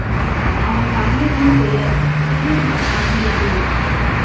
அவன் தங்கையின் பெயர் கிருபி ஆகியது.